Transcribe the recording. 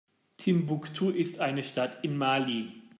Timbuktu ist eine Stadt in Mali.